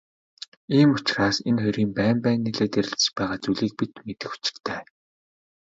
Ийм учраас энэ хоёрын байн байн нийлээд ярилцаж байгаа зүйлийг бид мэдэх учиртай.